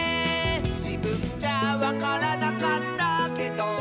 「じぶんじゃわからなかったけど」